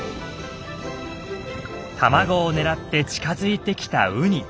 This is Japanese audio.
卵を狙って近づいてきたウニ。